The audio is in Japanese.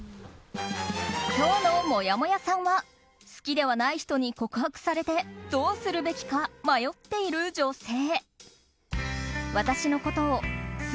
今日のもやもやさんは好きではない人に告白されてどうするべきか迷っている女性。